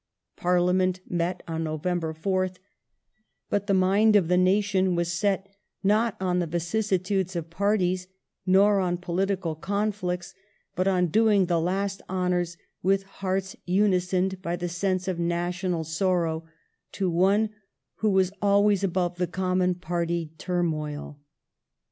Parliament met on November 4th, but the mind of the nation was set not on the vicissitudes of parties, nor on political conflicts, but on doing the last honours, with hearts unisoned by the sense of a national sorrow, to one who was always above the common party turmoil.